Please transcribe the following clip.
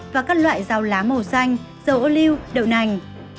và các loại rau lá màu xanh dầu ô lưu đậu nành